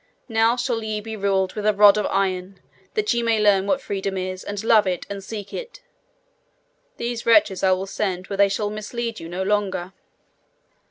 Now shall ye be ruled with a rod of iron, that ye may learn what freedom is, and love it and seek it. These wretches I will send where they shall mislead you no longer.'